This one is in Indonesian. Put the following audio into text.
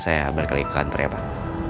saya ambil ke lingkungan pria pak